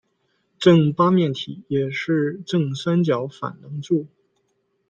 正八面体也是正三角反棱柱。